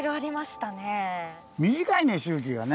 短いね周期がね。